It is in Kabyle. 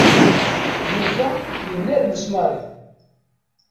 Yuba yennermes Mary.